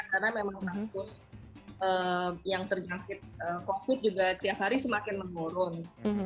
karena memang maksud yang terjangkit covid juga tiap hari semakin mengurung